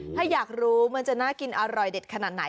ถ้าอยากรู้มันจะน่ากินอร่อยเด็ดขนาดไหน